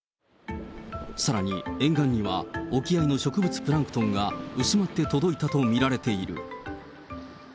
さらに沿岸には沖合の植物プランクトンが薄まって届いたと見られている。